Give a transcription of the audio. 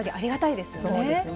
そうですね。